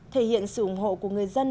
thể hiện sự ủng hộ của người dân